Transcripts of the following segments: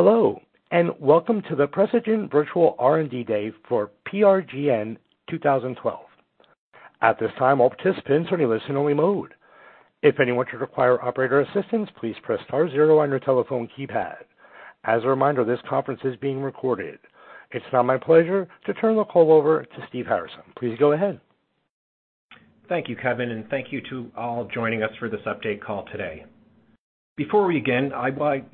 Hello, welcome to the Precigen Virtual R&D Day for PRGN-2012. At this time, all participants are in listen-only mode. If anyone should require operator assistance, please press star zero on your telephone keypad. As a reminder, this conference is being recorded. It's now my pleasure to turn the call over to Steve Harrison. Please go ahead. Thank you, Kevin, and thank you to all joining us for this update call today. Before we begin, I'd like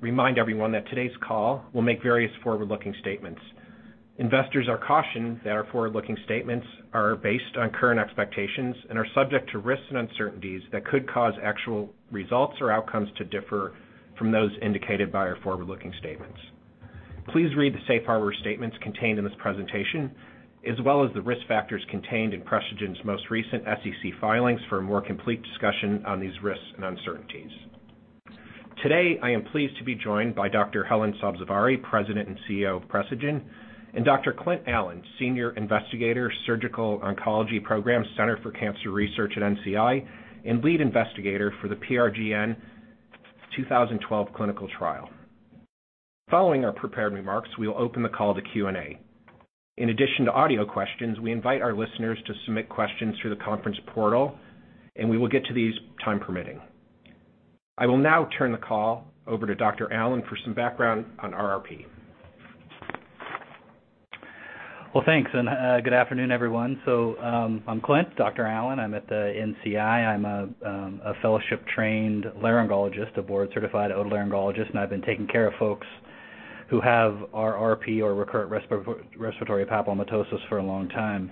remind everyone that today's call will make various forward-looking statements. Investors are cautioned that our forward-looking statements are based on current expectations and are subject to risks and uncertainties that could cause actual results or outcomes to differ from those indicated by our forward-looking statements. Please read the safe harbor statements contained in this presentation, as well as the risk factors contained in Precigen's most recent SEC filings for a more complete discussion on these risks and uncertainties. Today, I am pleased to be joined by Dr. Helen Sabzevari, President and CEO of Precigen, and Dr. Clint Allen, Senior Investigator, Surgical Oncology Program, Center for Cancer Research at NCI and Lead Investigator for the PRGN-2012 clinical trial. Following our prepared remarks, we will open the call to Q&A. In addition to audio questions, we invite our listeners to submit questions through the conference portal, and we will get to these time permitting. I will now turn the call over to Dr. Allen for some background on RRP. Well, thanks. Good afternoon, everyone. I'm Clint Allen. I'm at the NCI. I'm a fellowship-trained laryngologist, a board-certified otolaryngologist, and I've been taking care of folks who have RRP or recurrent respiratory papillomatosis for a long time.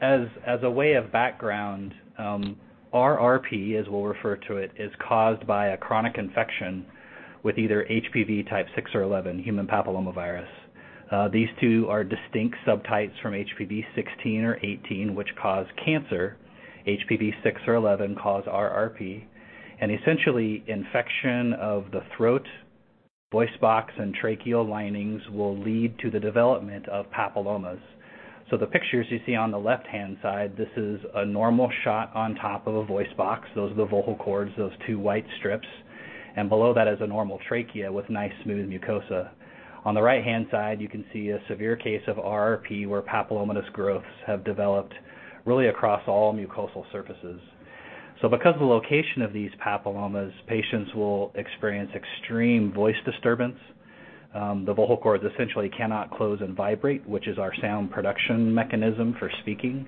As a way of background, RRP, as we'll refer to it, is caused by a chronic infection with either HPV type 6 or 11, human papillomavirus. These two are distinct subtypes from HPV 16 or 18, which cause cancer. HPV 6 or 11 cause RRP. Essentially, infection of the throat, voice box, and tracheal linings will lead to the development of papillomas. The pictures you see on the left-hand side, this is a normal shot on top of a voice box. Those are the vocal cords, those two white strips, and below that is a normal trachea with nice, smooth mucosa. On the right-hand side, you can see a severe case of RRP, where papillomatous growths have developed really across all mucosal surfaces. Because of the location of these papillomas, patients will experience extreme voice disturbance. The vocal cords essentially cannot close and vibrate, which is our sound production mechanism for speaking.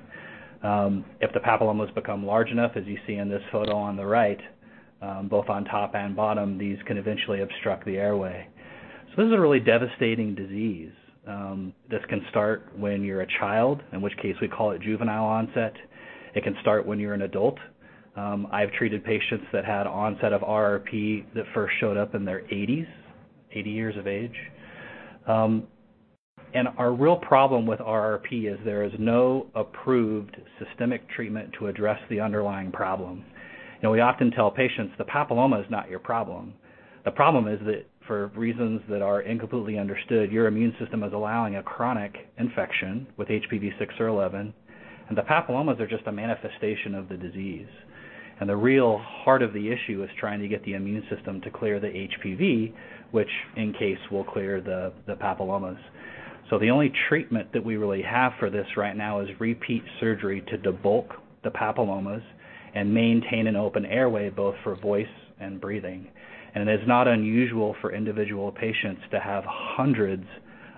If the papillomas become large enough, as you see in this photo on the right, both on top and bottom, these can eventually obstruct the airway. This is a really devastating disease. This can start when you're a child, in which case we call it juvenile onset. It can start when you're an adult. I've treated patients that had onset of RRP that first showed up in their 80s, 80 years of age. Our real problem with RRP is there is no approved systemic treatment to address the underlying problem. You know, we often tell patients the papilloma is not your problem. The problem is that, for reasons that are incompletely understood, your immune system is allowing a chronic infection with HPV 6 or 11, and the papillomas are just a manifestation of the disease. The real heart of the issue is trying to get the immune system to clear the HPV, which in case will clear the papillomas. The only treatment that we really have for this right now is repeat surgery to debulk the papillomas and maintain an open airway, both for voice and breathing. It is not unusual for individual patients to have hundreds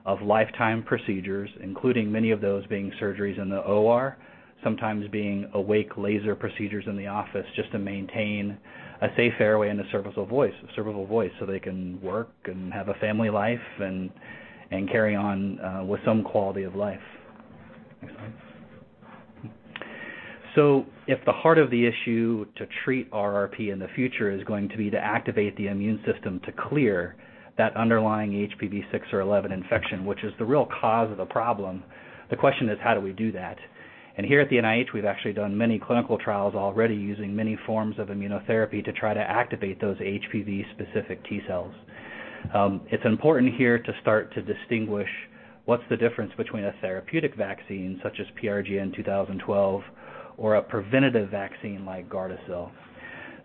of lifetime procedures, including many of those being surgeries in the OR, sometimes being awake laser procedures in the office just to maintain a safe airway and a serviceable voice, so they can work and have a family life and carry on with some quality of life. If the heart of the issue to treat RRP in the future is going to be to activate the immune system to clear that underlying HPV 6 or 11 infection, which is the real cause of the problem, the question is how do we do that? Here at the NIH, we've actually done many clinical trials already using many forms of immunotherapy to try to activate those HPV-specific T-cells. It's important here to start to distinguish what's the difference between a therapeutic vaccine, such as PRGN-2012 or a preventative vaccine like Gardasil.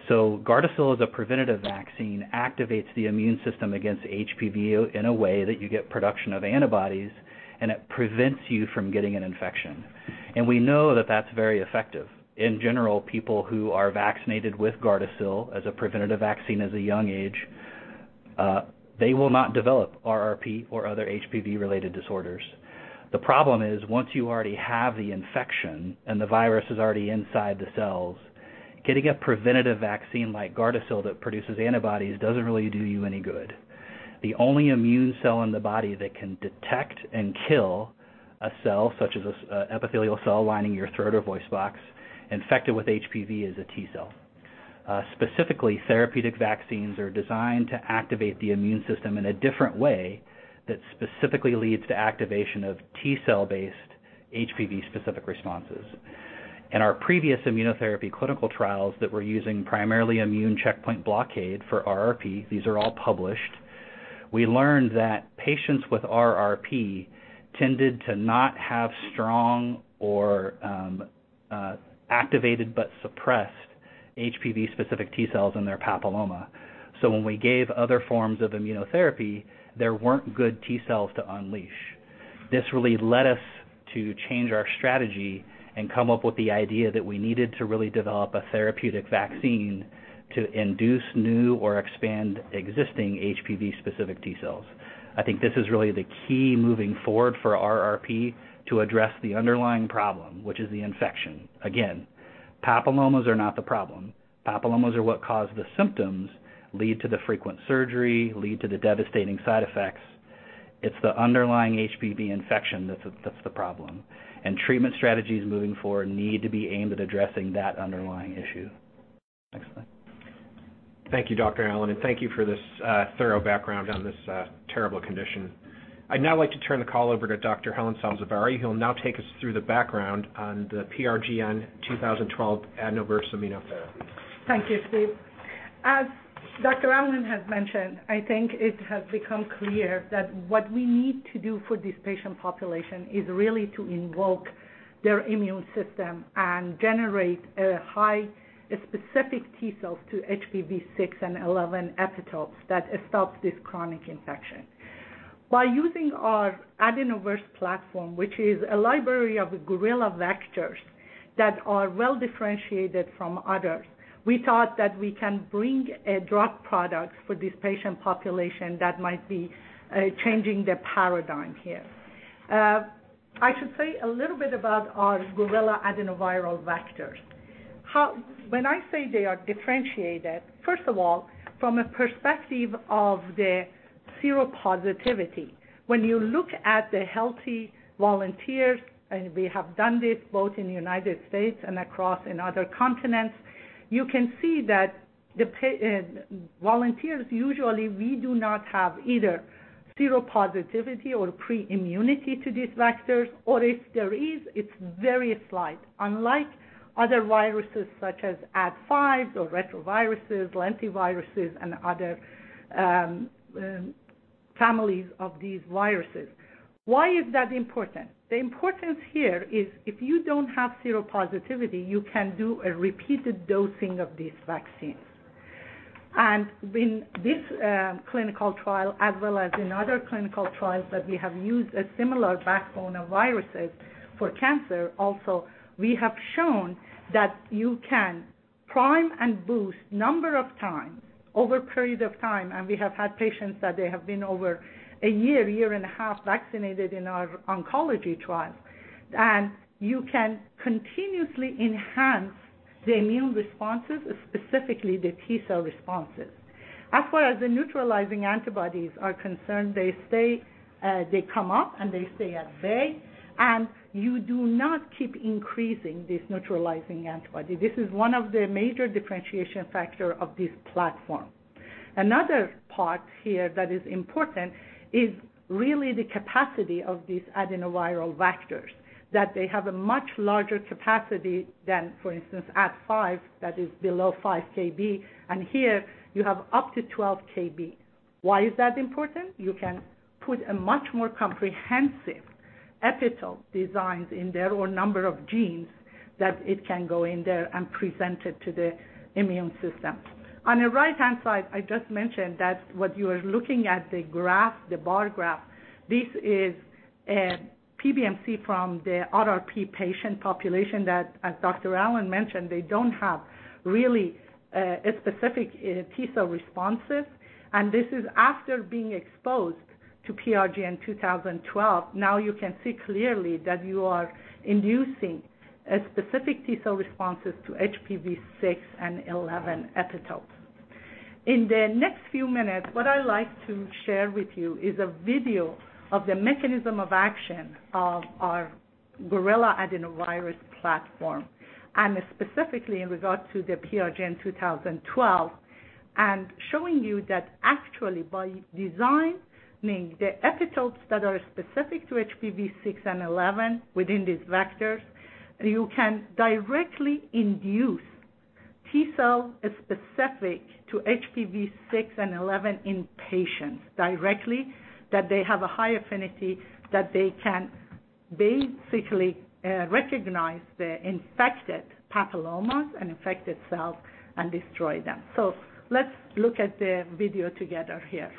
Gardasil is a preventative vaccine, activates the immune system against HPV in a way that you get production of antibodies, and it prevents you from getting an infection, and we know that that's very effective. In general, people who are vaccinated with Gardasil as a preventative vaccine as a young age, they will not develop RRP or other HPV-related disorders. The problem is, once you already have the infection and the virus is already inside the cells, getting a preventative vaccine like Gardasil that produces antibodies doesn't really do you any good. The only immune cell in the body that can detect and kill a cell, such as an epithelial cell lining your throat or voice box infected with HPV, is a T-cell. Specifically, therapeutic vaccines are designed to activate the immune system in a different way that specifically leads to activation of T-cell-based HPV-specific responses. In our previous immunotherapy clinical trials that were using primarily immune checkpoint blockade for RRP, We learned that patients with RRP tended to not have strong or activated but suppressed HPV-specific T cells in their papilloma. When we gave other forms of immunotherapy, there weren't good T cells to unleash. This really led us to change our strategy and come up with the idea that we needed to really develop a therapeutic vaccine to induce new or expand existing HPV-specific T cells. I think this is really the key moving forward for RRP to address the underlying problem, which is the infection. Papillomas are not the problem. Papillomas are what cause the symptoms, lead to the frequent surgery, lead to the devastating side effects. It's the underlying HPV infection that's the problem. Treatment strategies moving forward need to be aimed at addressing that underlying issue. Thank you, Dr. Allen, and thank you for this, thorough background on this, terrible condition. I'd now like to turn the call over to Dr. Helen Sabzevari, who will now take us through the background on the PRGN-2012 Adenovirus immunotherapy. Thank you, Steve. As Dr. Allen has mentioned, I think it has become clear that what we need to do for this patient population is really to invoke their immune system and generate a high specific T-cells to HPV 6 and 11 epitopes that stops this chronic infection. By using our AdenoVerse platform, which is a library of gorilla vectors that are well-differentiated from others, we thought that we can bring a drug product for this patient population that might be changing the paradigm here. I should say a little bit about our gorilla adenoviral vectors. When I say they are differentiated, first of all, from a perspective of the seropositivity, when you look at the healthy volunteers, and we have done this both in the United States and across in other continents, you can see that the volunteers, usually we do not have either seropositivity or pre-immunity to these vectors, or if there is, it's very slight. Unlike other viruses such as Ad5 or retroviruses, lentiviruses, and other families of these viruses. Why is that important? The importance here is if you don't have seropositivity, you can do a repeated dosing of these vaccines. In this clinical trial, as well as in other clinical trials that we have used a similar backbone of viruses for cancer also, we have shown that you can prime and boost number of times over a period of time, and we have had patients that they have been over a year and a half vaccinated in our oncology trials, and you can continuously enhance the immune responses, specifically the T-cell responses. As far as the neutralizing antibodies are concerned, they stay, they come up, and they stay at bay, and you do not keep increasing this neutralizing antibody. This is one of the major differentiation factor of this platform. Another part here that is important is really the capacity of these adenoviral vectors, that they have a much larger capacity than, for instance, Ad5, that is below 5 KB, and here you have up to 12 KB. Why is that important? You can put a much more comprehensive epitope designs in there or number of genes that it can go in there and present it to the immune system. On the right-hand side, I just mentioned that what you are looking at, the graph, the bar graph, this is PBMC from the RRP patient population that, as Dr. Allen mentioned, they don't have really a specific T-cell responses. This is after being exposed to PRGN-2012. You can see clearly that you are inducing a specific T-cell responses to HPV 6 and 11 epitopes. In the next few minutes, what I'd like to share with you is a video of the mechanism of action of our gorilla adenovirus platform, and specifically in regards to the PRGN-2012, and showing you that actually by designing the epitopes that are specific to HPV 6 and 11 within these vectors, you can directly induce T-cell specific to HPV 6 and 11 in patients directly, that they have a high affinity, that they can basically recognize the infected papillomas and infected cells and destroy them. Let's look at the video together here.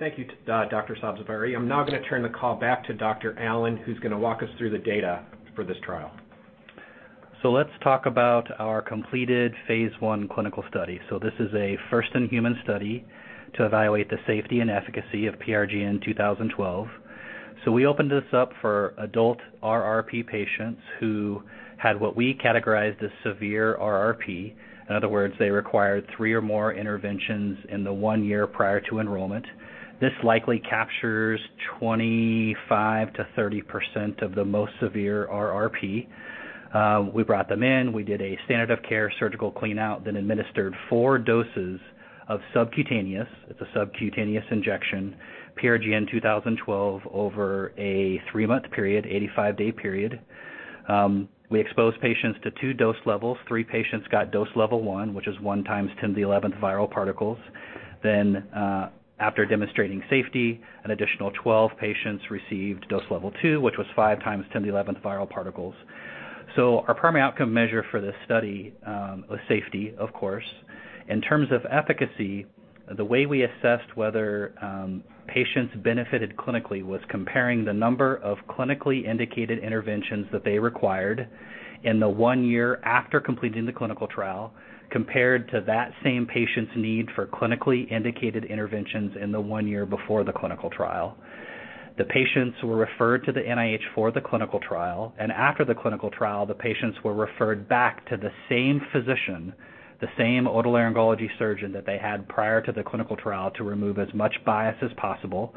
Thank you to Dr. Sabzevari. I'm now gonna turn the call back to Dr. Allen, who's gonna walk us through the data for this trial. Let's talk about our completed phase I clinical study. This is a first-in-human study to evaluate the safety and efficacy of PRGN-2012. We opened this up for adult RRP patients who had what we categorized as severe RRP. In other words, they required three or more interventions in the one year prior to enrollment. This likely captures 25%-30% of the most severe RRP. We brought them in, we did a standard of care surgical cleanout, then administered four doses of subcutaneous, it's a subcutaneous injection, PRGN-2012 over a three-month period, 85-day period. We exposed patients to two dose levels. Three patients got dose level one, which is 1 x 10^11 viral particles. After demonstrating safety, an additional 12 patients received dose level two, which was 5 x 10^11 viral particles. Our primary outcome measure for this study was safety, of course. In terms of efficacy, the way we assessed whether patients benefited clinically was comparing the number of clinically indicated interventions that they required in the one year after completing the clinical trial compared to that same patient's need for clinically indicated interventions in the one year before the clinical trial. The patients were referred to the NIH for the clinical trial, and after the clinical trial, the patients were referred back to the same physician, the same otolaryngology surgeon that they had prior to the clinical trial to remove as much bias as possible.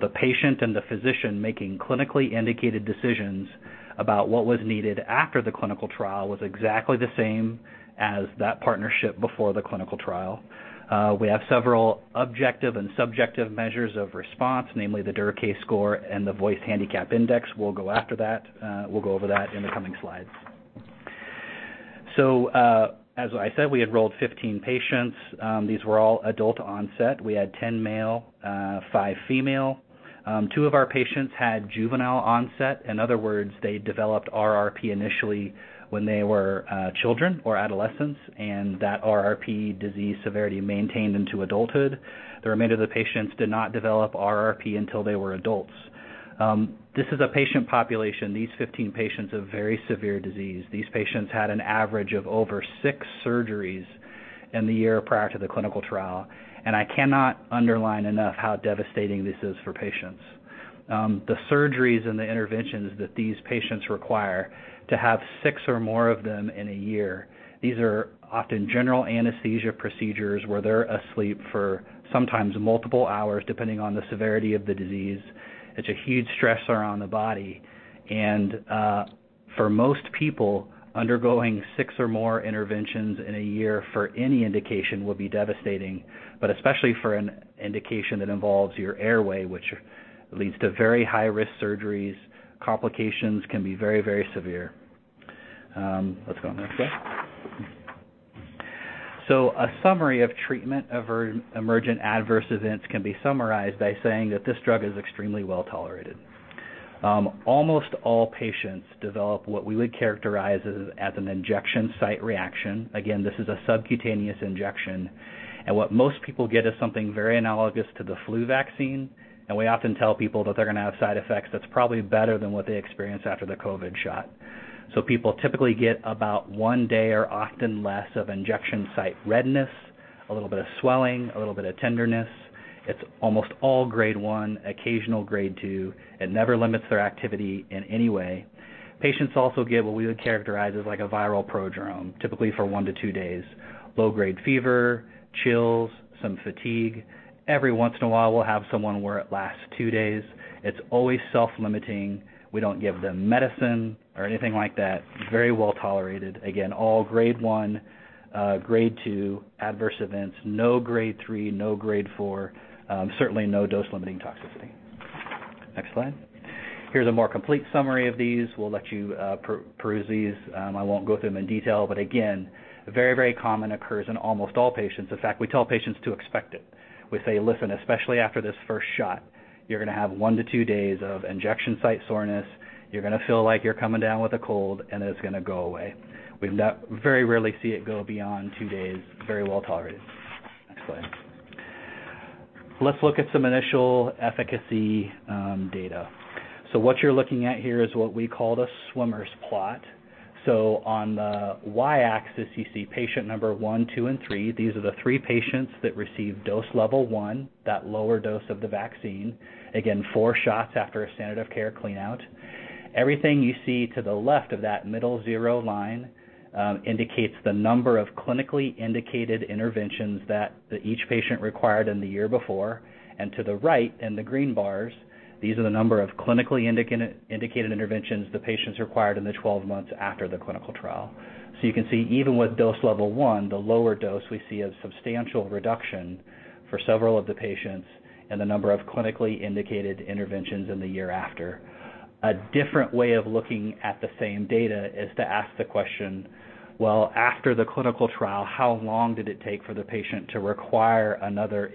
The patient and the physician making clinically indicated decisions about what was needed after the clinical trial was exactly the same as that partnership before the clinical trial. We have several objective and subjective measures of response, namely the Derkay score and the Voice Handicap Index. We'll go after that, we'll go over that in the coming slides. As I said, we enrolled 15 patients. These were all adult onset. We had 10 male, five female. two of our patients had juvenile onset. In other words, they developed RRP initially when they were children or adolescents, and that RRP disease severity maintained into adulthood. The remainder of the patients did not develop RRP until they were adults. This is a patient population, these 15 patients have very severe disease. These patients had an average of over six surgeries in the year prior to the clinical trial, and I cannot underline enough how devastating this is for patients. The surgeries and the interventions that these patients require to have six or more of them in a year, these are often general anesthesia procedures where they're asleep for sometimes multiple hours, depending on the severity of the disease. It's a huge stressor on the body and for most people, undergoing six or more interventions in a year for any indication will be devastating, but especially for an indication that involves your airway, which leads to very high-risk surgeries. Complications can be very, very severe. A summary of treatment of emergent adverse events can be summarized by saying that this drug is extremely well-tolerated. Almost all patients develop what we would characterize as an injection site reaction. This is a subcutaneous injection, and what most people get is something very analogous to the flu vaccine, and we often tell people that they're gonna have side effects that's probably better than what they experience after the COVID shot. People typically get about one day or often less of injection site redness. A little bit of swelling, a little bit of tenderness. It's almost all grade 1, occasional grade 2. It never limits their activity in any way. Patients also get what we would characterize as like a viral prodrome, typically for one to two days. Low-grade fever, chills, some fatigue. Every once in a while, we'll have someone where it lasts two days. It's always self-limiting. We don't give them medicine or anything like that. Very well tolerated. All grade 1, grade 2 adverse events. No grade 3, no grade 4, certainly no dose-limiting toxicity. Next slide. Here's a more complete summary of these. We'll let you peruse these. I won't go through them in detail. Again, very common. Occurs in almost all patients. In fact, we tell patients to expect it. We say, Listen, especially after this first shot, you're gonna have one to two days of injection site soreness, you're gonna feel like you're coming down with a cold, and it's gonna go away. Very rarely see it go beyond two days. Very well tolerated. Next slide. Let's look at some initial efficacy data. What you're looking at here is what we called a swimmer plot. On the Y-axis, you see patient number one, two, and three. These are the three patients that received dose level 1, that lower dose of the vaccine. Four shots after a standard of care clean-out. Everything you see to the left of that middle zero line indicates the number of clinically indicated interventions that each patient required in the year before. To the right, in the green bars, these are the number of clinically indicated interventions the patients required in the 12 months after the clinical trial. You can see, even with dose level one, the lower dose, we see a substantial reduction for several of the patients in the number of clinically indicated interventions in the year after. A different way of looking at the same data is to ask the question: After the clinical trial, how long did it take for the patient to require another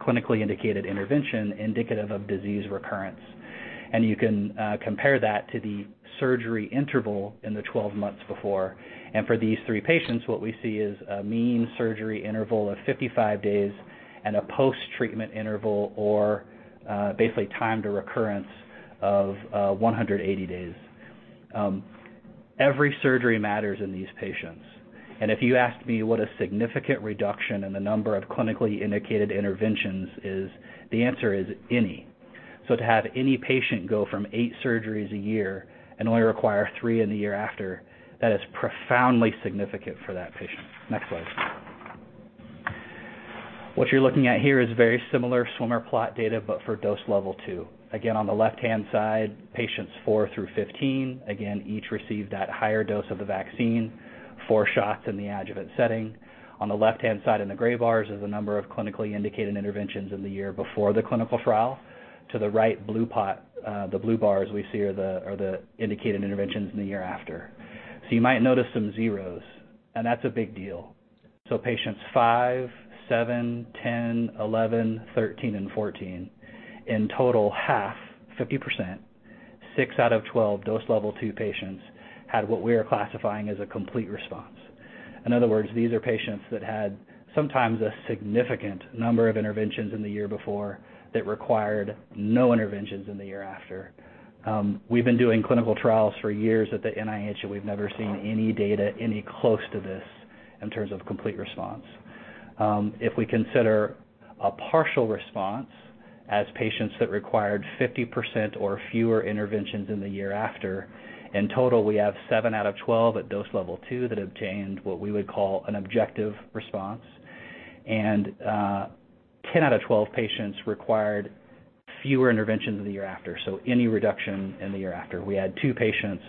clinically indicated intervention indicative of disease recurrence? You can compare that to the surgery interval in the 12 months before. For these three patients, what we see is a mean surgery interval of 55 days, and a post-treatment interval or basically time to recurrence of 180 days. Every surgery matters in these patients. If you asked me what a significant reduction in the number of clinically indicated interventions is, the answer is any. To have any patient go from eight surgeries a year and only require three in the year after, that is profoundly significant for that patient. Next slide. What you're looking at here is very similar swimmer plot data, but for dose level 2. Again, on the left-hand side, patients four through 15. Again, each received that higher dose of the vaccine, four shots in the adjuvant setting. On the left-hand side, in the gray bars is the number of clinically indicated interventions in the year before the clinical trial. To the right, the blue bars we see are the indicated interventions in the year after. You might notice some zeros. That's a big deal. Patients five, seven, 10, 11, 13, and 14 in total half, 50%, six out of 12 dose level 2 patients had what we are classifying as a complete response. In other words, these are patients that had sometimes a significant number of interventions in the year before that required no interventions in the year after. We've been doing clinical trials for years at the NIH. We've never seen any data any close to this in terms of complete response. If we consider a partial response as patients that required 50% or fewer interventions in the year after, in total, we have seven out of 12 at dose level 2 that obtained what we would call an objective response. 10 out of 12 patients required fewer interventions in the year after, so any reduction in the year after. We had two patients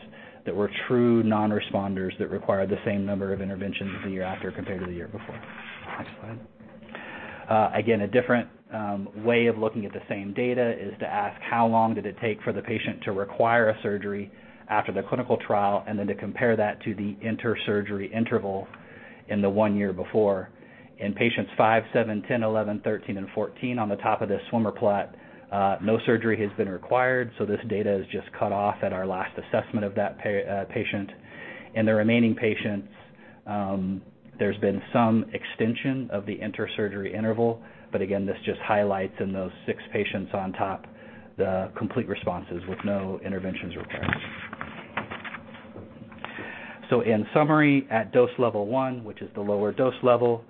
that were true non-responders that required the same number of interventions the year after compared to the year before. Next slide. Again, a different way of looking at the same data is to ask how long did it take for the patient to require a surgery after the clinical trial, and then to compare that to the inter-surgery interval in the one year before. In patients five, seven, 10, 11, 13, and 14 on the top of this swimmer plot, no surgery has been required. This data is just cut off at our last assessment of that patient. In the remaining patients, there's been some extension of the inter-surgery interval. Again, this just highlights in those six patients on top the complete responses with no interventions required. In summary, at dose level 1, which is the lower dose level,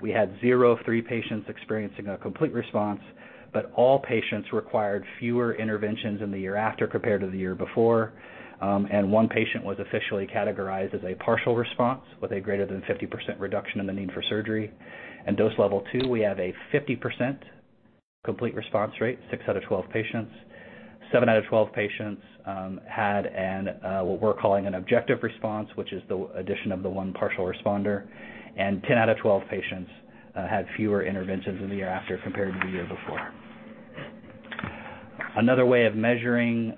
we had zero of three patients experiencing a complete response. All patients required fewer interventions in the year after compared to the year before. One patient was officially categorized as a partial response with a greater than 50% reduction in the need for surgery. In dose level 2, we have a 50% complete response rate, six out of 12 patients. seven out of 12 patients had an what we're calling an objective response, which is the addition of the one partial responder. 10 out of 12 patients had fewer interventions in the year after compared to the year before. Another way of measuring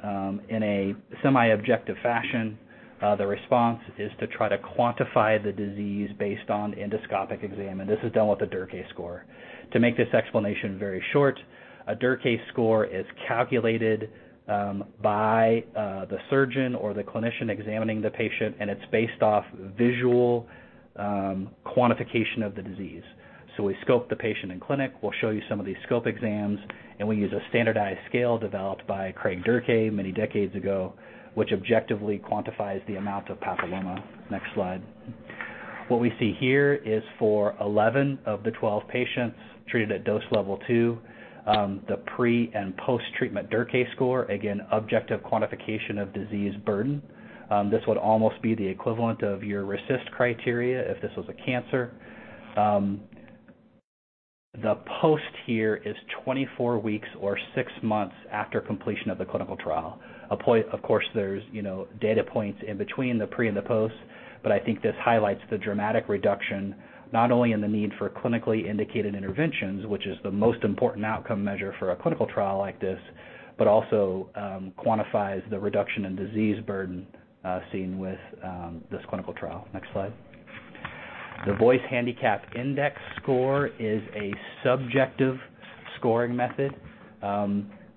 in a semi-objective fashion the response is to try to quantify the disease based on endoscopic exam. This is done with a Derkay score. To make this explanation very short, a Derkay score is calculated by the surgeon or the clinician examining the patient, and it's based off visual quantification of the disease. We scope the patient in clinic, we'll show you some of these scope exams, and we use a standardized scale developed by Craig S. Derkay many decades ago, which objectively quantifies the amount of papilloma. Next slide. What we see here is for 11 of the 12 patients treated at dose level 2, the pre and post-treatment Derkay score. Again, objective quantification of disease burden. This would almost be the equivalent of your RECIST criteria if this was a cancer. The post here is 24 weeks or six months after completion of the clinical trial. Of course, there's, you know, data points in between the pre and the post, I think this highlights the dramatic reduction, not only in the need for clinically indicated interventions, which is the most important outcome measure for a clinical trial like this, but also quantifies the reduction in disease burden seen with this clinical trial. Next slide. The Voice Handicap Index score is a subjective scoring method.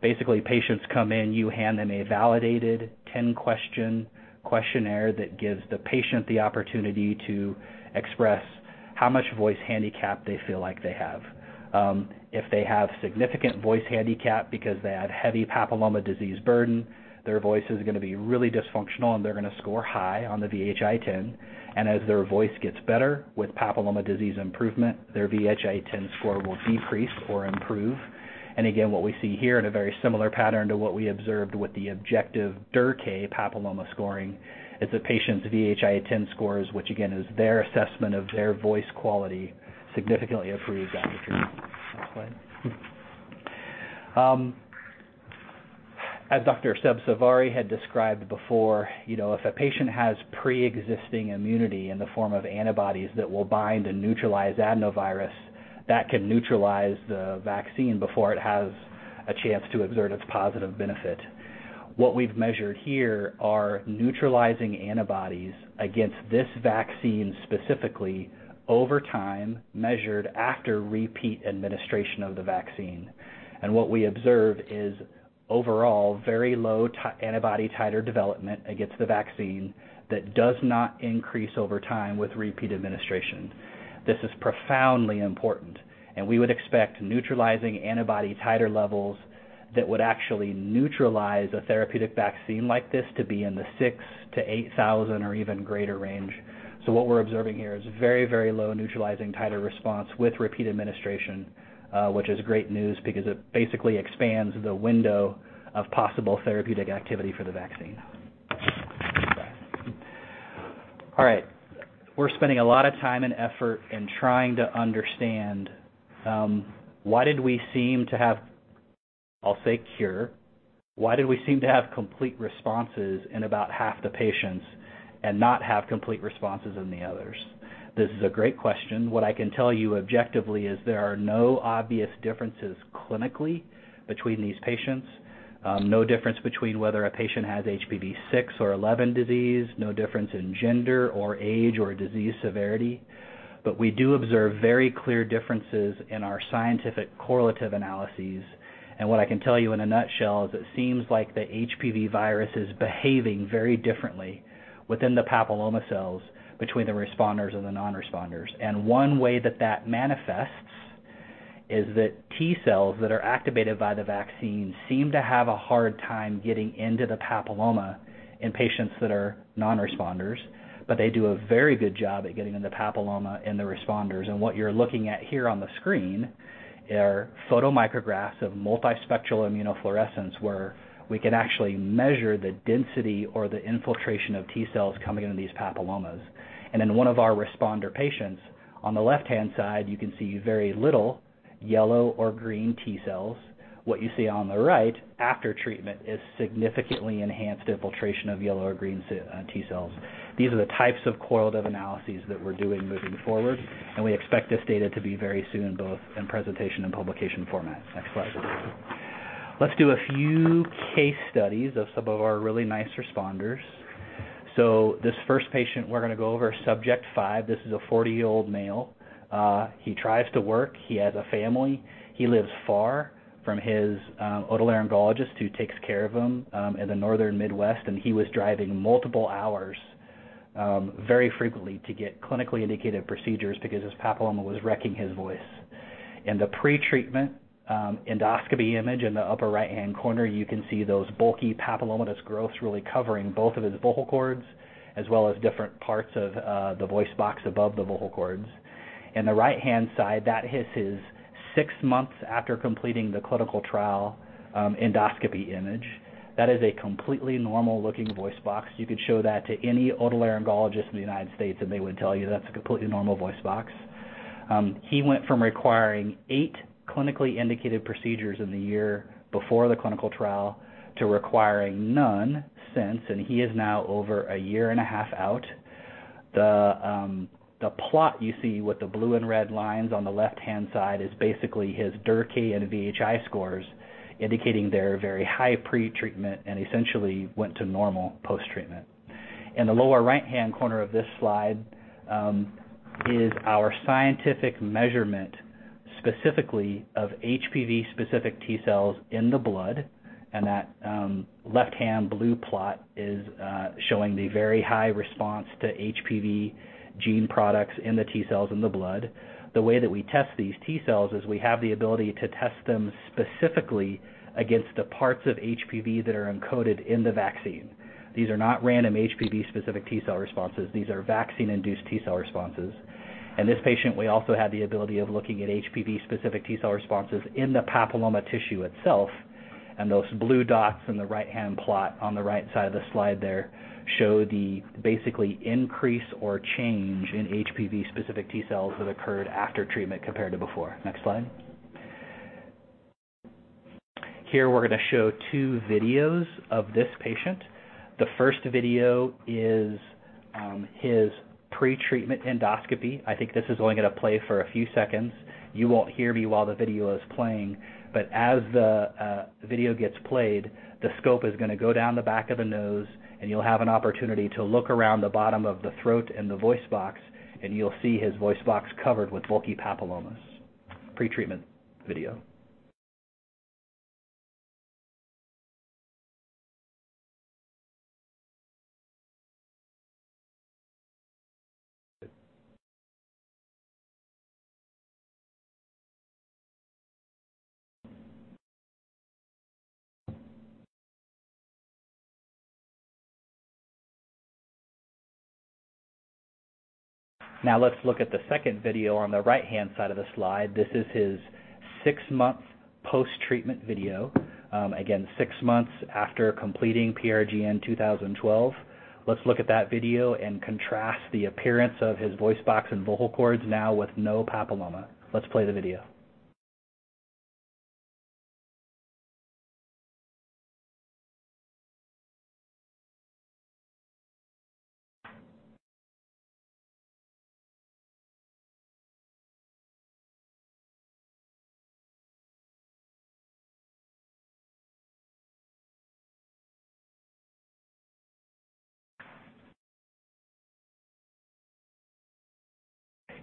Basically, patients come in, you hand them a validated 10-question questionnaire that gives the patient the opportunity to express how much voice handicap they feel like they have. If they have significant voice handicap because they had heavy papilloma disease burden, their voice is gonna be really dysfunctional, and they're gonna score high on the VHI-10. As their voice gets better with papilloma disease improvement, their VHI-10 score will decrease or improve. Again, what we see here in a very similar pattern to what we observed with the objective Derkay papilloma scoring is the patient's VHI-10 scores, which again is their assessment of their voice quality, significantly improve after treatment. Next slide. As Dr. Sabzevari had described before, you know, if a patient has pre-existing immunity in the form of antibodies that will bind and neutralize adenovirus, that can neutralize the vaccine before it has a chance to exert its positive benefit. What we've measured here are neutralizing antibodies against this vaccine specifically over time, measured after repeat administration of the vaccine. What we observe is overall very low antibody titer development against the vaccine that does not increase over time with repeat administration. This is profoundly important, and we would expect neutralizing antibody titer levels that would actually neutralize a therapeutic vaccine like this to be in the 6,000-8,000 or even greater range. What we're observing here is very, very low neutralizing titer response with repeat administration, which is great news because it basically expands the window of possible therapeutic activity for the vaccine. All right. We're spending a lot of time and effort in trying to understand, why did we seem to have, I'll say cure, why did we seem to have complete responses in about half the patients and not have complete responses in the others? This is a great question. What I can tell you objectively is there are no obvious differences clinically between these patients. No difference between whether a patient has HPV 6 or 11 disease, no difference in gender or age or disease severity. But we do observe very clear differences in our scientific correlative analyses. What I can tell you in a nutshell is it seems like the HPV virus is behaving very differently within the papilloma cells between the responders and the non-responders. One way that that manifests is that T cells that are activated by the vaccine seem to have a hard time getting into the papilloma in patients that are non-responders, but they do a very good job at getting in the papilloma in the responders. What you're looking at here on the screen are photomicrographs of multispectral immunofluorescence, where we can actually measure the density or the infiltration of T cells coming into these papillomas. In one of our responder patients, on the left-hand side, you can see very little yellow or green T cells. What you see on the right after treatment is significantly enhanced infiltration of yellow or green T cells. These are the types of correlative analyses that we're doing moving forward, and we expect this data to be very soon, both in presentation and publication format. Next slide. Let's do a few case studies of some of our really nice responders. This first patient we're gonna go over, subject five, this is a 40-year-old male. He tries to work, he has a family. He lives far from his otolaryngologist who takes care of him in the northern Midwest, and he was driving multiple hours very frequently to get clinically indicated procedures because his papilloma was wrecking his voice. In the pre-treatment endoscopy image in the upper right-hand corner, you can see those bulky papillomatous growths really covering both of his vocal cords, as well as different parts of the voice box above the vocal cords. In the right-hand side, that is his six months after completing the clinical trial endoscopy image. That is a completely normal-looking voice box. You could show that to any otolaryngologist in the United States. They would tell you that's a completely normal voice box. He went from requiring eight clinically indicated procedures in the year before the clinical trial to requiring none since. He is now over a year and a half out. The plot you see with the blue and red lines on the left-hand side is basically his Derkay and VHI scores indicating they're very high pre-treatment and essentially went to normal post-treatment. In the lower right-hand corner of this slide is our scientific measurement specifically of HPV specific T cells in the blood. That left-hand blue plot is showing the very high response to HPV gene products in the T cells in the blood. The way that we test these T-cells is we have the ability to test them specifically against the parts of HPV that are encoded in the vaccine. These are not random HPV-specific T-cell responses. These are vaccine-induced T-cell responses. In this patient, we also had the ability of looking at HPV-specific T-cell responses in the papilloma tissue itself. Those blue dots in the right-hand plot on the right side of the slide there show the basically increase or change in HPV-specific T-cells that occurred after treatment compared to before. Next slide. Here we're going to show two videos of this patient. The first video is his pre-treatment endoscopy. I think this is only going to play for a few seconds. You won't hear me while the video is playing, but as the video gets played, the scope is going to go down the back of the nose, and you'll have an opportunity to look around the bottom of the throat and the voice box, and you'll see his voice box covered with bulky papillomas. Pre-treatment video. Let's look at the second video on the right-hand side of the slide. This is his six-month post-treatment video. Again, six months after completing PRGN-2012. Let's look at that video and contrast the appearance of his voice box and vocal cords now with no papilloma. Let's play the video.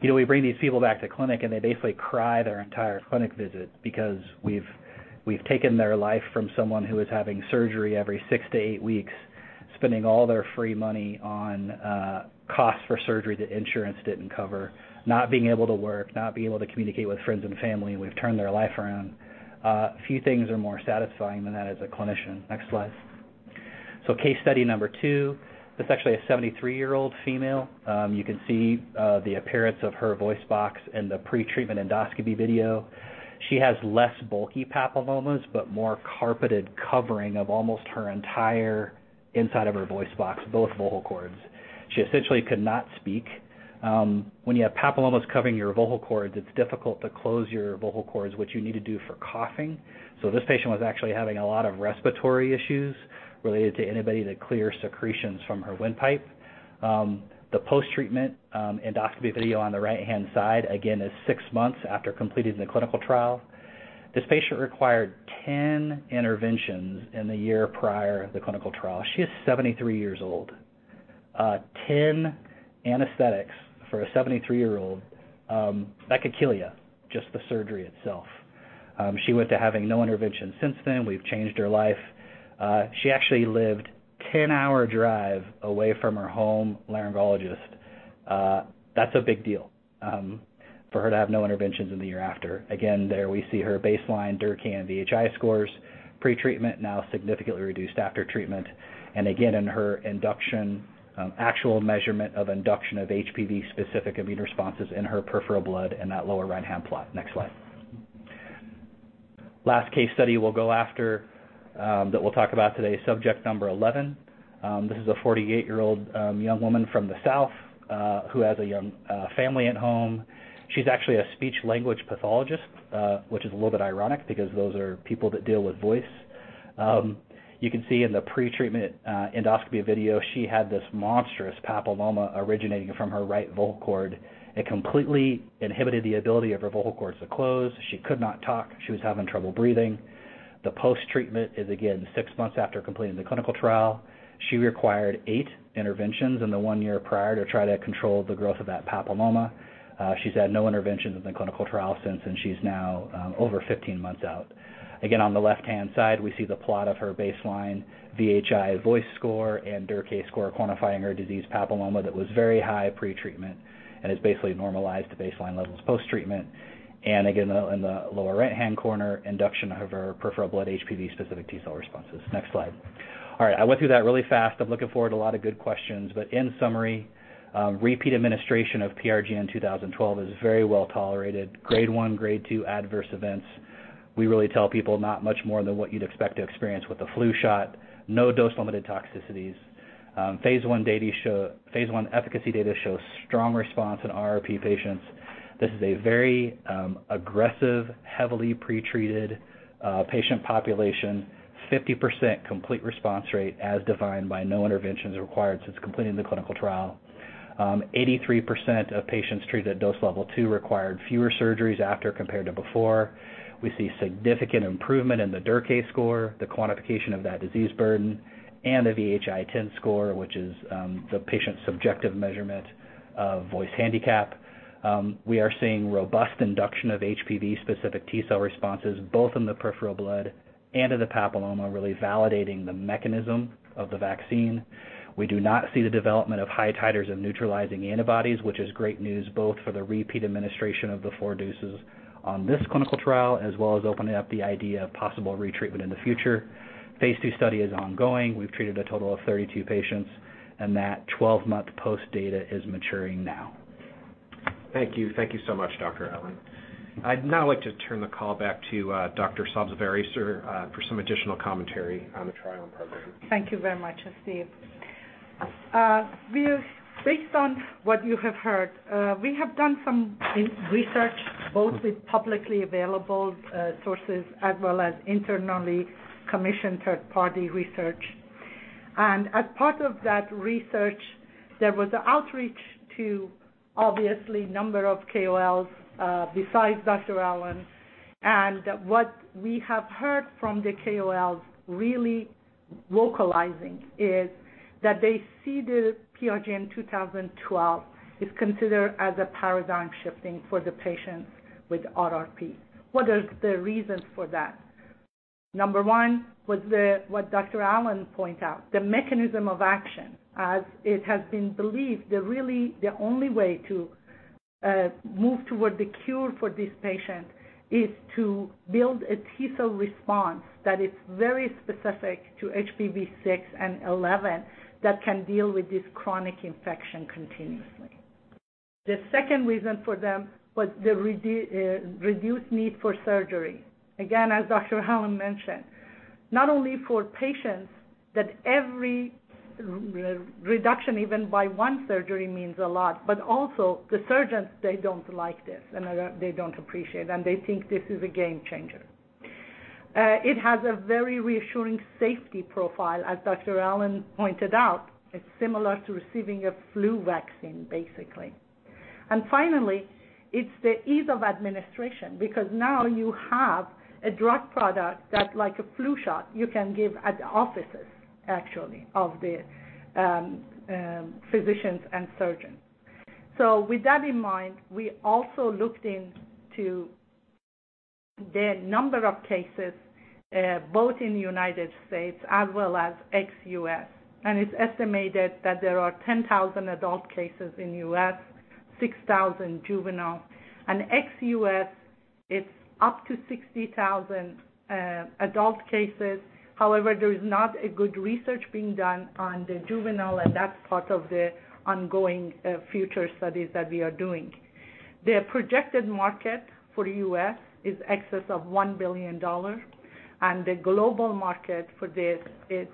You know, we bring these people back to clinic, they basically cry their entire clinic visit because we've taken their life from someone who is having surgery every six to eight weeks, spending all their free money on costs for surgery that insurance didn't cover, not being able to work, not being able to communicate with friends and family. We've turned their life around. Few things are more satisfying than that as a clinician. Next slide. Case study number two. This is actually a 73-year-old female. You can see the appearance of her voice box in the pre-treatment endoscopy video. She has less bulky papillomas but more carpeted covering of almost her entire inside of her voice box, both vocal cords. She essentially could not speak. When you have papillomas covering your vocal cords, it's difficult to close your vocal cords, which you need to do for coughing. This patient was actually having a lot of respiratory issues related to inability to clear secretions from her windpipe. The post-treatment endoscopy video on the right-hand side, again, is six months after completing the clinical trial. This patient required 10 interventions in the year prior the clinical trial. She is 73 years old. 10 anesthetics for a 73-year-old that could kill you, just the surgery itself. She went to having no intervention since then. We've changed her life. She actually lived 10-hour drive away from her home laryngologist. That's a big deal for her to have no interventions in the year after. Again, there we see her baseline Derkay and VHI scores pre-treatment, now significantly reduced after treatment. Again, in her induction, actual measurement of induction of HPV-specific immune responses in her peripheral blood in that lower right-hand plot. Next slide. Last case study we'll go after, that we'll talk about today, subject number 11. This is a 48-year-old young woman from the South, who has a young family at home. She's actually a speech-language pathologist, which is a little bit ironic because those are people that deal with voice. You can see in the pre-treatment endoscopy video, she had this monstrous papilloma originating from her right vocal cord. It completely inhibited the ability of her vocal cords to close. She could not talk. She was having trouble breathing. The post-treatment is, again, six months after completing the clinical trial. She required eight interventions in the one year prior to try to control the growth of that papilloma. She's had no interventions in the clinical trial since, she's now over 15 months out. Again, on the left-hand side, we see the plot of her baseline VHI voice score and Derkay score quantifying her disease papilloma that was very high pre-treatment and is basically normalized to baseline levels post-treatment. Again, in the lower right-hand corner, induction of her peripheral blood HPV-specific T-cell responses. Next slide. I went through that really fast. I'm looking forward to a lot of good questions. In summary, repeat administration of PRGN-2012 is very well tolerated. Grade 1, Grade 2 adverse events. We really tell people not much more than what you'd expect to experience with the flu shot. No dose-limited toxicities. phase I data show phase I efficacy data show strong response in RRP patients. This is a very aggressive, heavily pre-treated patient population. 50% complete response rate as defined by no interventions required since completing the clinical trial. 83% of patients treated at dose level 2 required fewer surgeries after compared to before. We see significant improvement in the Derkay score, the quantification of that disease burden, and the VHI-10 score, which is the patient's subjective measurement of voice handicap. We are seeing robust induction of HPV-specific T-cell responses both in the peripheral blood and in the papilloma, really validating the mechanism of the vaccine. We do not see the development of high titers of neutralizing antibodies, which is great news both for the repeat administration of the four doses on this clinical trial, as well as opening up the idea of possible retreatment in the future phase II study is ongoing We've treated a total of 32 patients. That 12-month post-data is maturing now. Thank you. Thank you so much, Dr. Allen. I'd now like to turn the call back to Dr. Sabzevari for some additional commentary on the trial in progress. Thank you very much, Steve. Based on what you have heard, we have done some re-research, both with publicly available sources as well as internally commissioned third-party research. As part of that research, there was an outreach to obviously number of KOLs, besides Dr. Allen. What we have heard from the KOLs really localizing is that they see the PRGN-2012 is considered as a paradigm-shifting for the patients with RRP. What is the reasons for that? Number one was the, what Dr. Allen point out, the mechanism of action, as it has been believed, the only way to move toward the cure for this patient is to build a T-cell response that is very specific to HPV 6 and 11 that can deal with this chronic infection continuously. The second reason for them was the reduced need for surgery. Again, as Dr. Allen mentioned, not only for patients that every re-reduction, even by one surgery means a lot, but also the surgeons, they don't like this, and they don't appreciate, and they think this is a game changer. It has a very reassuring safety profile, as Dr. Allen pointed out. It's similar to receiving a flu vaccine, basically. Finally, it's the ease of administration, because now you have a drug product that's like a flu shot you can give at the offices, actually, of the physicians and surgeons. With that in mind, we also looked into the number of cases, both in United States as well as ex-U.S., and it's estimated that there are 10,000 adult cases in U.S., 6,000 juvenile. Ex-U.S., it's up to 60,000 adult cases. However, there is not a good research being done on the juvenile, and that's part of the ongoing future studies that we are doing. The projected market for the U.S. is excess of $1 billion, and the global market for this is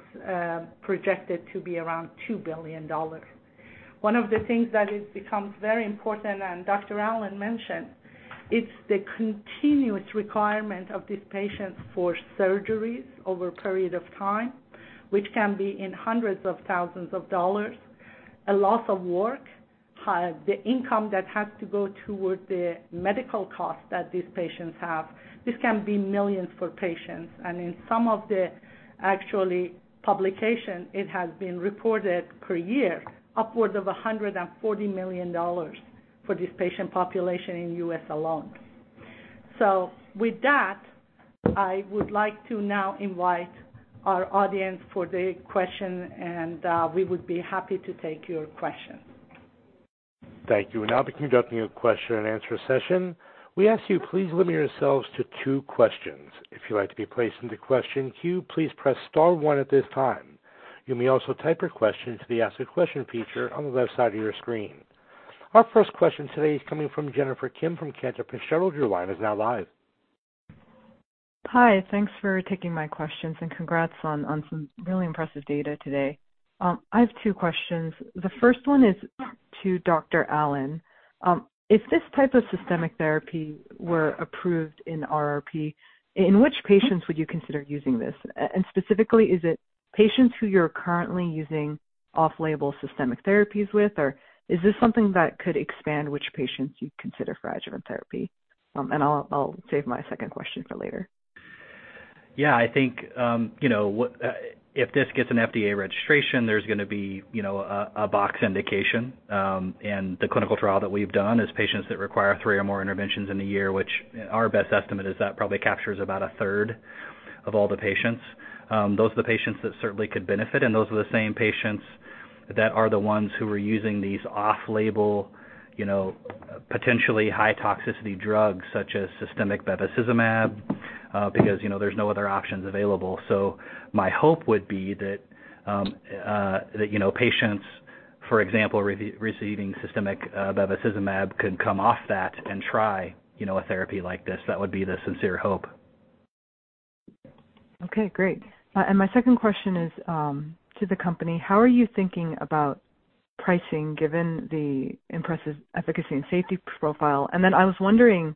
projected to be around $2 billion. One of the things that it becomes very important, and Dr. Allen mentioned, it's the continuous requirement of these patients for surgeries over a period of time, which can be in hundreds of thousands of dollars. A loss of work, the income that has to go toward the medical costs that these patients have, this can be millions for patients. In some of the actually publication, it has been reported per year, upwards of $140 million for this patient population in U.S. alone. With that, I would like to now invite our audience for the question, and we would be happy to take your questions. Thank you. We'll now be conducting a question and answer session. We ask you please limit yourselves to two questions. If you'd like to be placed in the question queue, please press star one at this time. You may also type your question to the Ask a Question feature on the left side of your screen. Our first question today is coming from Jennifer Kim from Cantor. The shareholder line is now live. Hi. Thanks for taking my questions, and congrats on some really impressive data today. I have two questions. The first one is to Dr. Allen. If this type of systemic therapy were approved in RRP, in which patients would you consider using this? Specifically, is it patients who you're currently using off-label systemic therapies with, or is this something that could expand which patients you'd consider for adjuvant therapy? I'll save my second question for later. Yeah. I think, you know, if this gets an FDA registration, there's gonna be, you know, a box indication. The clinical trial that we've done is patients that require three or more interventions in a year, which our best estimate is that probably captures about a third of all the patients. Those are the patients that certainly could benefit, those are the same patients that are the ones who are using these off-label, you know, potentially high toxicity drugs such as systemic bevacizumab, because, you know, there's no other options available. My hope would be that, you know, patients, for example, receiving systemic bevacizumab can come off that and try, you know, a therapy like this. That would be the sincere hope. Okay, great. My second question is to the company. How are you thinking about pricing given the impressive efficacy and safety profile? I was wondering,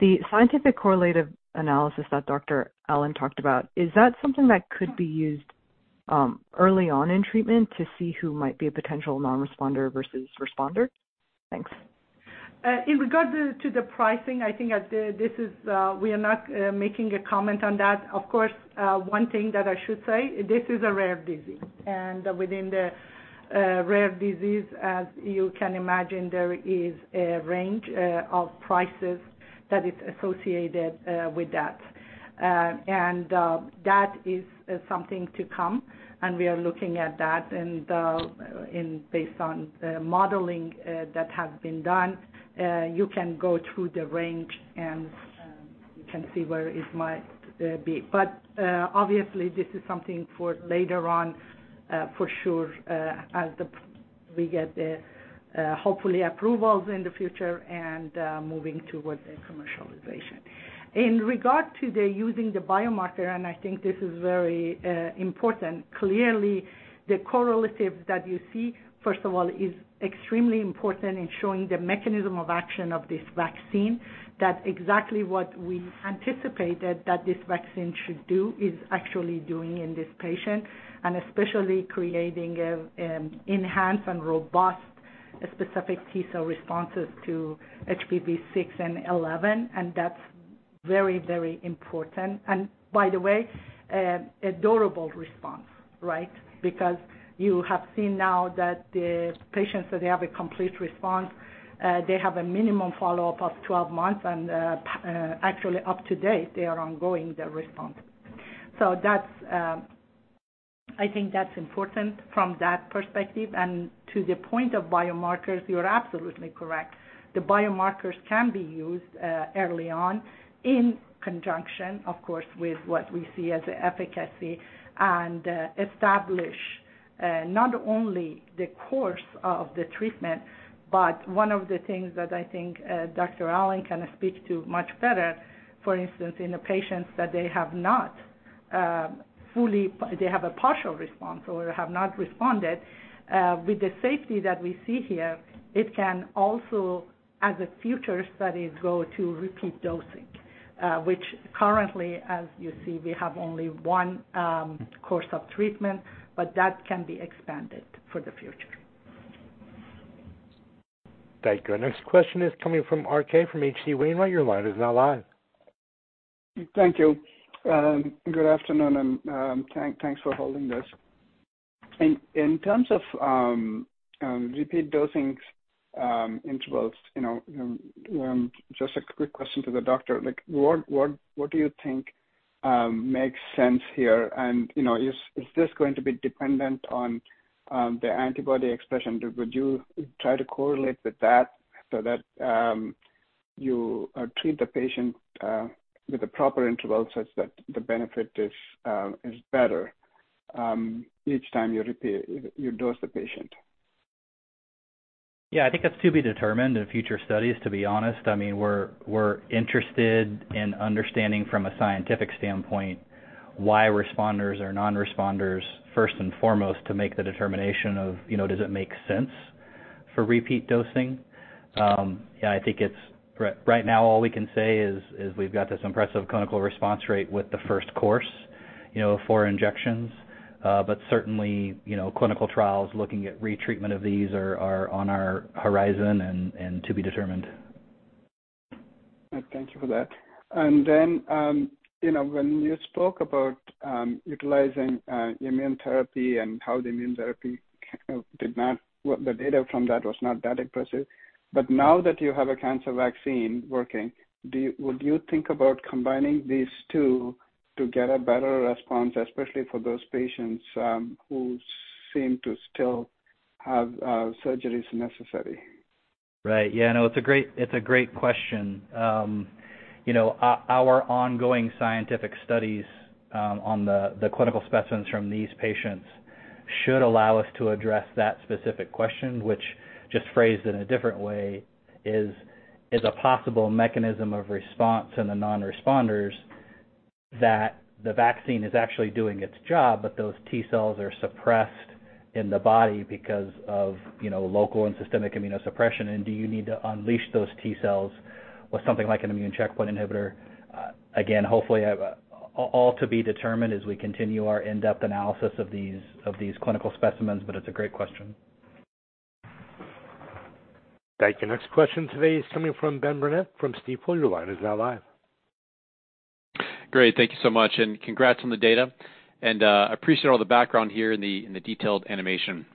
the scientific correlative analysis that Dr. Allen talked about, is that something that could be used early on in treatment to see who might be a potential non-responder versus responder? Thanks. In regard to the pricing, I think this is, we are not making a comment on that. Of course, one thing that I should say, this is a rare disease. Within the rare disease, as you can imagine, there is a range of prices that is associated with that. That is something to come, and we are looking at that. Based on modeling that have been done, you can go through the range and you can see where it might be. Obviously this is something for later on, for sure, as we get the hopefully approvals in the future and moving towards the commercialization. In regard to the using the biomarker, and I think this is very important, clearly the correlative that you see, first of all, is extremely important in showing the mechanism of action of this vaccine. That exactly what we anticipated that this vaccine should do is actually doing in this patient, and especially creating a enhanced and robust specific T-cell responses to HPV 6 and 11. That's very important. By the way, a durable response, right? Because you have seen now that the patients that they have a complete response, they have a minimum follow-up of 12 months and actually up to date, they are ongoing, the response. That's, I think that's important from that perspective. To the point of biomarkers, you're absolutely correct. The biomarkers can be used early on in conjunction, of course, with what we see as efficacy and establish not only the course of the treatment, but one of the things that I think Dr. Allen can speak to much better, for instance, in the patients that they have not. They have a partial response or have not responded with the safety that we see here, it can also, as the future studies go to repeat dosing, which currently, as you see, we have only one course of treatment, but that can be expanded for the future. Thank you. Next question is coming from RK from H.C. Wainwright & Co. Your line is now live. Thank you. Good afternoon and, thanks for holding this. In terms of repeat dosings, intervals, you know, just a quick question to the doctor. Like what do you think makes sense here? You know, is this going to be dependent on the antibody expression? Would you try to correlate with that so that you treat the patient with the proper interval such that the benefit is better each time you dose the patient? I think that's to be determined in future studies, to be honest. I mean, we're interested in understanding from a scientific standpoint why responders are non-responders first and foremost to make the determination of, you know, does it make sense for repeat dosing? Right now all we can say is we've got this impressive clinical response rate with the first course, you know, four injections. Certainly, you know, clinical trials looking at retreatment of these are on our horizon and to be determined. Thank you for that. You know, when you spoke about utilizing immune therapy and how the immune therapy did not. The data from that was not that impressive. But now that you have a cancer vaccine working, would you think about combining these two to get a better response, especially for those patients who seem to still have surgeries necessary? Right. Yeah, no, it's a great, it's a great question. You know, our ongoing scientific studies on the clinical specimens from these patients should allow us to address that specific question, which just phrased in a different way, is a possible mechanism of response in the non-responders that the vaccine is actually doing its job, but those T-cells are suppressed in the body because of, you know, local and systemic immunosuppression. Do you need to unleash those T-cells with something like an immune checkpoint inhibitor? Again, hopefully, all to be determined as we continue our in-depth analysis of these clinical specimens, but it's a great question. Thank you. Next question today is coming from Benjamin Burnett from Stifel. Your line is now live. Great. Thank you so much and congrats on the data. Appreciate all the background here in the, in the detailed animation.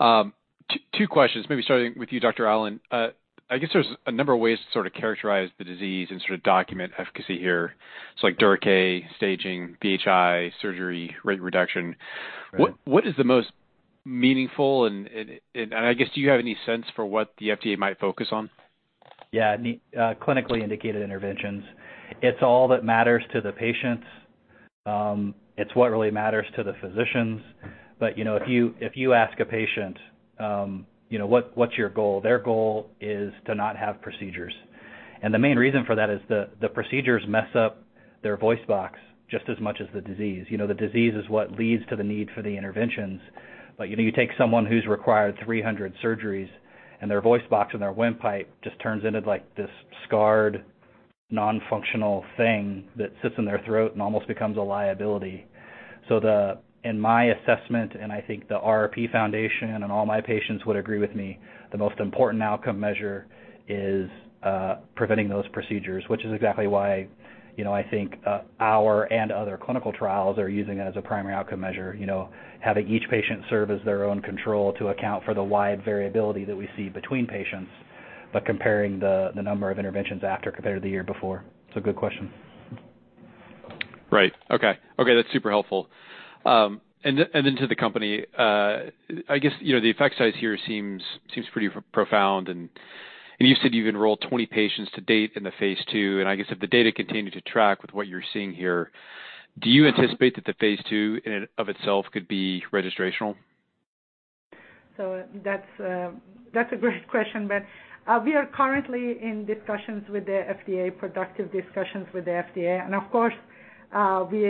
Two questions. Maybe starting with you, Dr. Allen. I guess there's a number of ways to sort of characterize the disease and sort of document efficacy here. Like Derkay, staging, VHI, surgery, rate reduction. Right. What is the most meaningful? I guess, do you have any sense for what the FDA might focus on? Yeah. Clinically indicated interventions. It's all that matters to the patients. It's what really matters to the physicians. You know, if you ask a patient, you know, What, what's your goal? Their goal is to not have procedures. The main reason for that is the procedures mess up their voice box just as much as the disease. You know, the disease is what leads to the need for the interventions. You know, you take someone who's required 300 surgeries, and their voice box and their windpipe just turns into like this scarred, non-functional thing that sits in their throat and almost becomes a liability. The In my assessment, and I think the RRP Foundation and all my patients would agree with me, the most important outcome measure is preventing those procedures, which is exactly why, you know, I think our and other clinical trials are using that as a primary outcome measure. You know, having each patient serve as their own control to account for the wide variability that we see between patients. Comparing the number of interventions after compared to the year before. It's a good question. Right. Okay. Okay, that's super helpful. To the company. I guess, you know, the effect size here seems profound and you said you've enrolled 20 patients to date in the phase II, I guess if the data continue to track with what you're seeing here, do you anticipate that the phase II in and of itself could be registrational? That's a great question. We are currently in discussions with the FDA, productive discussions with the FDA. Of course, we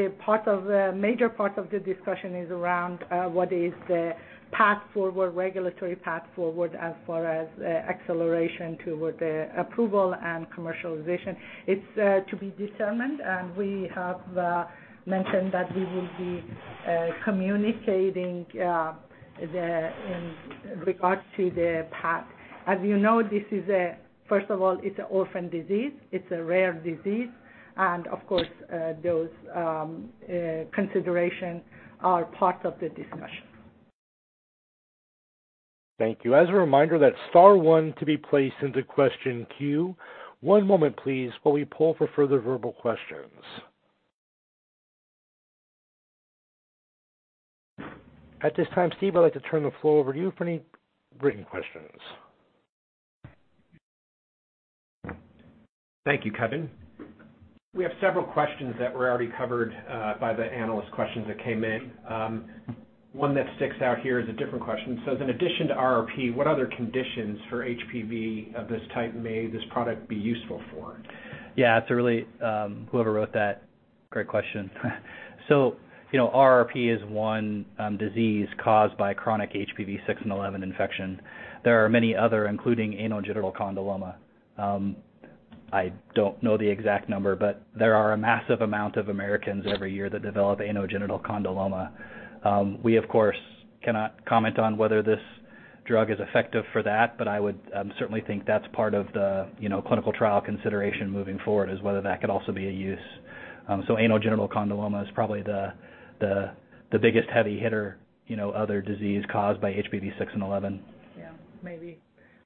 are major part of the discussion is around what is the path forward, regulatory path forward as far as acceleration toward the approval and commercialization. It's to be determined, and we have mentioned that we will be communicating in regards to the path. As you know, this is first of all, it's an orphan disease, it's a rare disease, and of course, those consideration are part of the discussion. Thank you. As a reminder, that's star one to be placed into question queue. One moment please while we pull for further verbal questions. At this time, Steve, I'd like to turn the floor over to you for any written questions. Thank you, Kevin. We have several questions that were already covered, by the analyst questions that came in. One that sticks out here is a different question. In addition to RRP, what other conditions for HPV of this type may this product be useful for? Yeah, it's a really, whoever wrote that, great question. You know, RRP is one disease caused by chronic HPV 6 and 11 infection. There are many other including anogenital condyloma. I don't know the exact number, but there are a massive amount of Americans every year that develop anogenital condyloma. We of course, cannot comment on whether this drug is effective for that, but I would certainly think that's part of the, you know, clinical trial consideration moving forward, is whether that could also be a use. Anogenital condyloma is probably the biggest heavy hitter, you know, other disease caused by HPV 6 and 11. Yeah. Maybe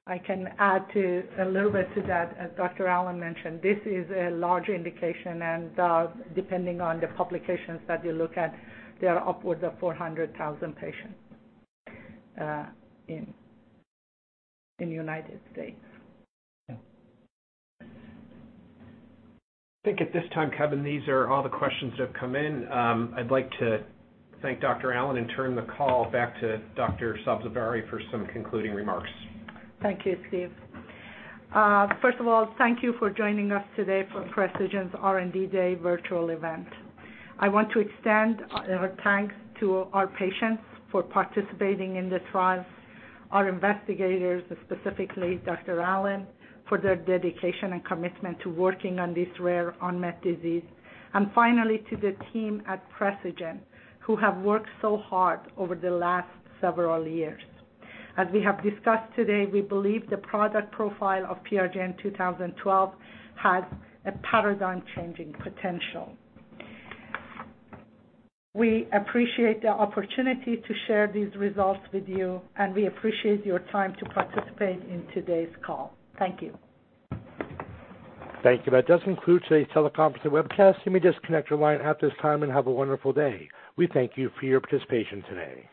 I can add to, a little bit to that. As Dr. Allen mentioned, this is a large indication, and, depending on the publications that you look at, there are upwards of 400,000 patients in the United States. I think at this time, Kevin, these are all the questions that have come in. I'd like to thank Dr. Allen and turn the call back to Dr. Sabzevari for some concluding remarks. Thank you, Steve. First of all, thank you for joining us today for Precigen's R&D Day virtual event. I want to extend our thanks to our patients for participating in the trials, our investigators, specifically Dr. Allen, for their dedication and commitment to working on this rare unmet disease. Finally, to the team at Precigen, who have worked so hard over the last several years. As we have discussed today, we believe the product profile of PRGN-2012 has a paradigm changing potential. We appreciate the opportunity to share these results with you. We appreciate your time to participate in today's call. Thank you. Thank you. That does conclude today's teleconference and webcast. You may disconnect your line at this time and have a wonderful day. We thank you for your participation today.